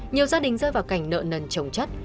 nhiều gia đình rơi vào cảnh nợ nần trồng chất